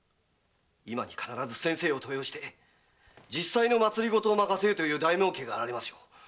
今に必ず先生を登用して実際の政を任せようという大名家が現れましょう。